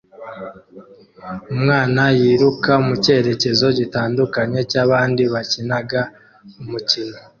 Umwana yiruka mu cyerekezo gitandukanye cyabandi bakinaga umukino